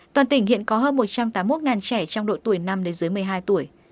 toàn tỉnh hiện có hơn một trăm tám mươi một trẻ trong độ tuổi năm đến dưới một mươi hai tuổi